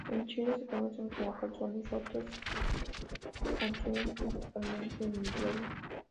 En Chile se conocen como calzones rotos y se consumen principalmente en invierno.